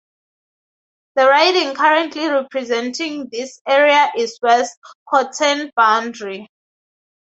The riding currently representing this area is West Kootenay-Boundary.